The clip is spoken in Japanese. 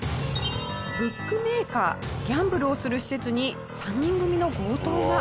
ブックメーカーギャンブルをする施設に３人組の強盗が。